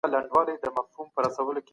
انګلیسي سرتیري د جلال آباد پر لور حرکت وکړ.